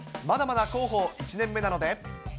まだまだ広報１年目なので。